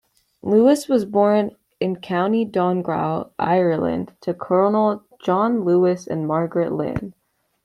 Lewis was born in County Donegal, Ireland, to Colonel John Lewis and Margaret Lynn.